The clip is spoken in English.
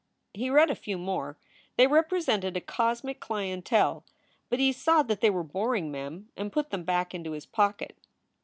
He read a few more. They represented a cosmic clientele. But he saw that they were boring Mem and put them back into his pocket.